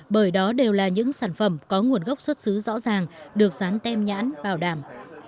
bởi đó đều là những sản phẩm có nguồn gốc xuất xứ rõ ràng được dán tem nhãn bảo đảm